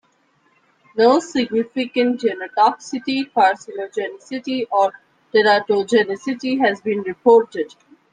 No significant genotoxicity, carcinogenicity or teratogenicity has been reported.